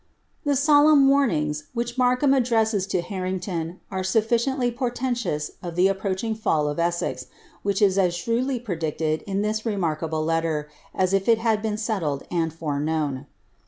The solemn warnings, which Markham addresses to HarringtoD, are sufficiently portentous of the approaching fiiU of Essex, which is as shrewdly predicted in this remarkable letter, as if it had been settled and foreknown.